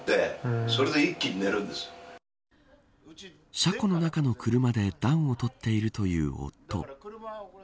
車庫の中の車で暖を取っているという夫。